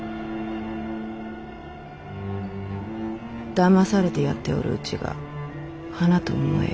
だまされてやっておるうちが花と思えよ。